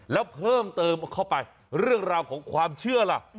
แล้วเพิ่มเติมเข้าไปเรื่องราวของความเชื่อล่ะ